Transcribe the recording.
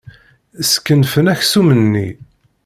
Skenfen aksum-nni.